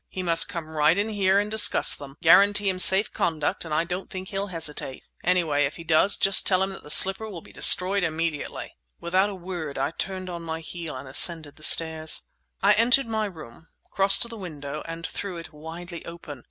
"He must come right in here and discuss them! Guarantee him safe conduct and I don't think he'll hesitate. Anyway, if he does, just tell him that the slipper will be destroyed immediately!" Without a word I turned on my heel and ascended the stairs. I entered my room, crossed to the window, and threw it widely open.